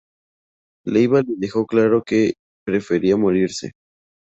Leyva le dejó en claro que ""prefería morirse"".